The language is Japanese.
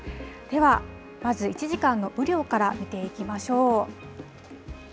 では、まず１時間の雨量から見ていきましょう。